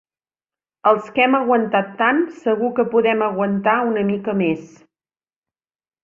Els que hem aguantat tant, segur que podem aguantar una mica més.